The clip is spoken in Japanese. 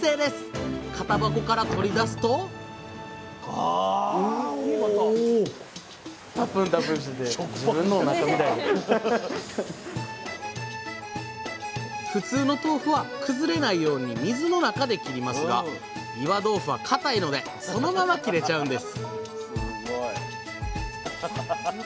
型箱から取り出すと普通の豆腐は崩れないように水の中で切りますが岩豆腐は固いのでそのまま切れちゃうんです！